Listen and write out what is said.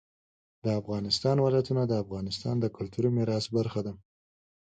د افغانستان ولايتونه د افغانستان د کلتوري میراث برخه ده.